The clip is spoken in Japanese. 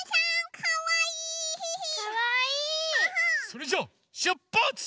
それじゃあしゅっぱつ！